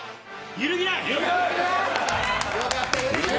揺るぎない！